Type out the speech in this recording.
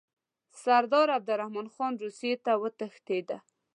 سردار عبدالرحمن خان روسیې ته وتښتېد.